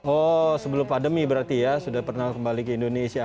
oh sebelum pandemi berarti ya sudah pernah kembali ke indonesia